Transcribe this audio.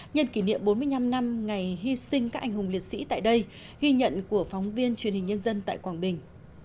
nhân kỷ niệm bốn mươi năm năm ngày hy sinh các anh hùng liệt sĩ tại đây ghi nhận của phóng viên truyền hình nhân dân tại quảng bình